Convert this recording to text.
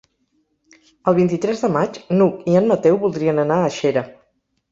El vint-i-tres de maig n'Hug i en Mateu voldrien anar a Xera.